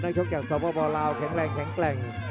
นักชกจากสภาพบ่าวราวแข็งแรงแข็งแกร่ง